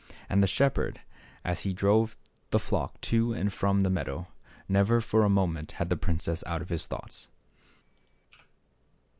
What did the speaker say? And the shepherd, as he drove the flock to and from the meadow, never for a moment had the princess out of his thoughts.